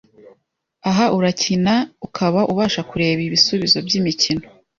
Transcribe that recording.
Aha urakina ukaba ubasha kureba ibisubizo by’imikino